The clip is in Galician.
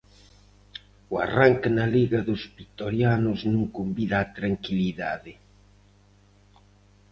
O arranque na Liga dos vitorianos non convida á tranquilidade.